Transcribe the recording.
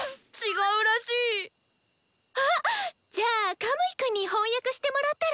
あっじゃあカムイくんに翻訳してもらったら？